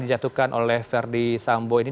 dijatuhkan oleh verdi sambo ini